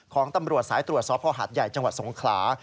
ของตำรวจสายตรวจสพหาดใหญ่จังหวัดสงขลา